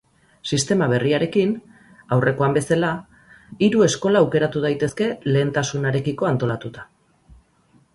Sistema berriarekin, aurrekoan bezala, hiru eskola aukeratu daitezke lehentasunarekiko antolatuta.